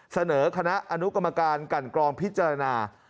เสนอคณะอนุกรรมการกันกรองพิจารณา